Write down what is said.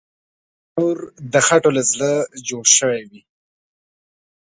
تنور د خټو له زړه جوړ شوی وي